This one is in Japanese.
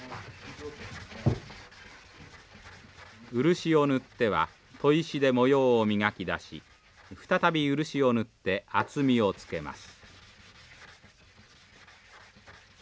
漆を塗っては砥石で模様を磨き出し再び漆を塗って厚みをつけます。